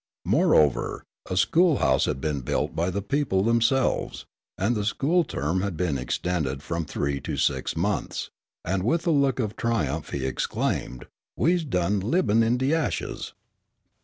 Moreover, a school house had been built by the people themselves, and the school term had been extended from three to six months; and, with a look of triumph, he exclaimed, "We's done libin' in de ashes."